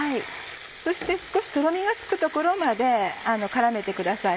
そして少しとろみがつくところまで絡めてください